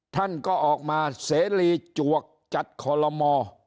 ท่านก็ออกมาเสรีจวกจัดคอลโลมอ